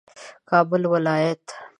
کابل ولایت